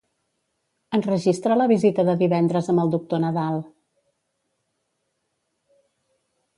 Enregistra la visita de divendres amb el doctor Nadal.